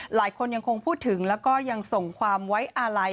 หลายคนยังคงพูดถึงแล้วก็ยังส่งความไว้อาลัย